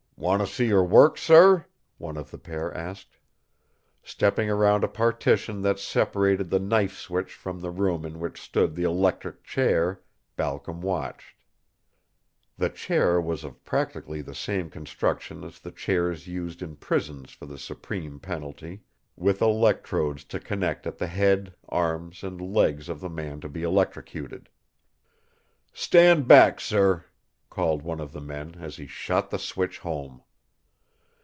"Want to see her work, sir?" one of the pair asked. Stepping around a partition that separated the knife switch from the room in which stood the electric chair, Balcom watched. The chair was of practically the same construction as the chairs used in prisons for the supreme penalty, with electrodes to connect at the head, arms, and legs of the man to be electrocuted. "Stand back, sir," called one of the men as he shot the switch home.